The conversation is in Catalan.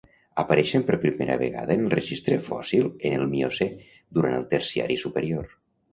Apareixen per primera vegada en el registre fòssil en el Miocè, durant el Terciari superior.